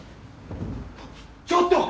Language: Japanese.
ちょっと！